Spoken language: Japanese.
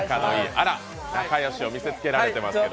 あらっ、仲良しを見せつけられていますけど。